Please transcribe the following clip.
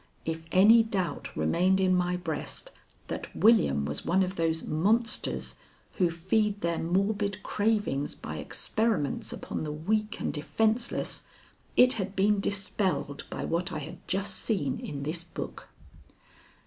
If any doubt remained in my breast that William was one of those monsters who feed their morbid cravings by experiments upon the weak and defenceless, it had been dispelled by what I had just seen in this book.